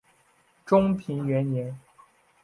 中平元年。